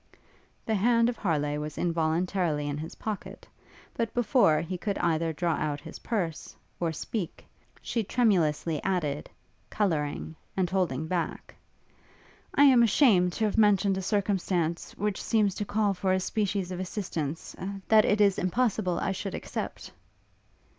The hand of Harleigh was involuntarily in his pocket, but before he could either draw out his purse, or speak, she tremulously added, colouring, and holding back, 'I am ashamed to have mentioned a circumstance, which seems to call for a species of assistance, that it is impossible I should accept.'